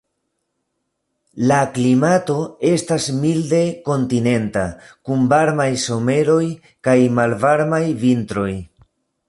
La klimato estas milde kontinenta, kun varmaj someroj kaj malvarmaj vintroj.